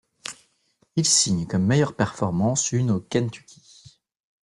Il signe comme meilleure performance une au Kentucky.